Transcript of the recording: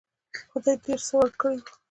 خدای ډېر څه ورکړي وو.